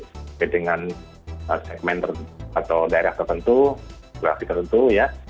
seperti dengan segmen atau daerah tertentu grafik tertentu ya